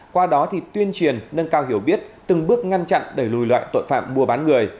qua đó tuyên truyền nâng cao hiểu biết từng bước ngăn chặn để lùi loại tội phạm buôn bán người